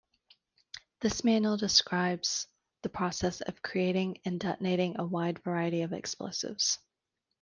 This manual describes the process of creating and detonating a wide variety of explosives.